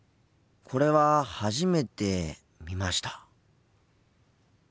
これは初めて見ました。